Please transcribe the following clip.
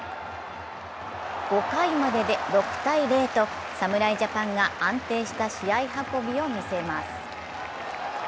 ５回までで６−０と侍ジャパンが安定した試合運びを見せます。